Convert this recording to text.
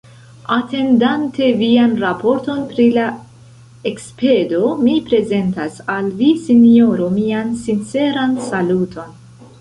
Atendante vian raporton pri la ekspedo, mi prezentas al vi, Sinjoro, mian sinceran saluton.